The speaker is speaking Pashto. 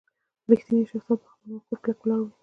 • رښتینی شخص تل پر خپل موقف کلک ولاړ وي.